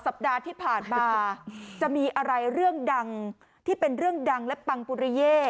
สัปดาห์ที่ผ่านมาจะมีอะไรเรื่องดังที่เป็นเรื่องดังและปังปุริเย่